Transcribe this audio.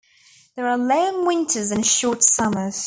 There are long winters and short summers.